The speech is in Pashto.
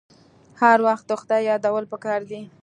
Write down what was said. هر وخت د خدای یادول پکار دي.